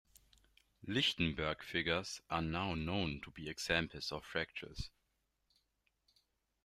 Lichtenberg figures are now known to be examples of fractals.